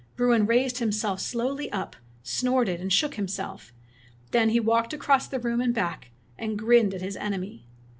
Bruin raised himself slowly up, snorted, and shook himself. Then he walked across the room and back, and grinned at his enemy.